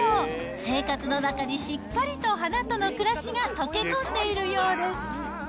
生活の中にしっかりと花との暮らしが溶け込んでいるようです。